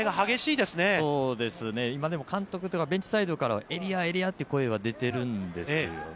でも、今、監督からベンチサイドからは、エリア、エリアという声が出てるんですよね。